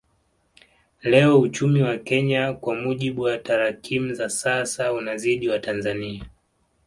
Leo uchumi wa Kenya kwa mujibu wa tarakimu za sasa unazidi wa Tanzania